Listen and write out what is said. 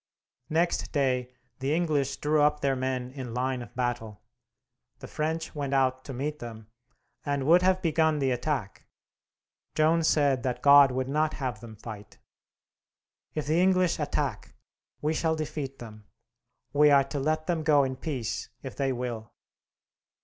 Next day the English drew up their men in line of battle. The French went out to meet them, and would have begun the attack. Joan said that God would not have them fight. "If the English attack, we shall defeat them; we are to let them go in peace if they will."